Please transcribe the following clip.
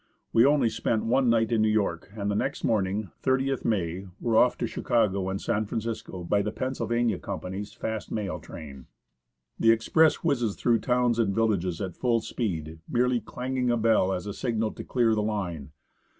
We only spent one night in New York, and the next morning (30th May) were off to Chicago and San Francisco by the Pennsylvania Company's fast mail train. The express whizzes through towns and villages at full speed, merely clanging a bell as a signal to clear the line.